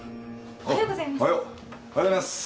おはようございます。